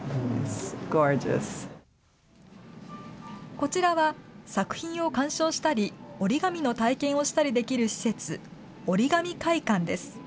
こちらは、作品を鑑賞したり、折り紙の体験をしたりできる施設、おりがみ会館です。